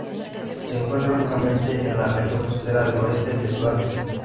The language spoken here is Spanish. Se encuentra únicamente en la región costera del oeste de Sudáfrica.